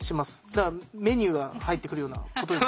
だからメニューが入ってくるようなことですもんね。